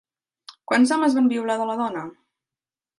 Quants homes van violar a la dona?